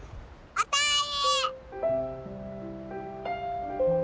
おかえり。